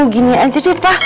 gini aja deh pak